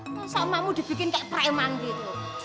masa emakmu dibikin kayak preman gitu